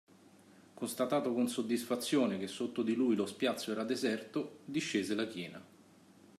Constatato con soddisfazione che sotto di lui lo spiazzo era deserto, discese la china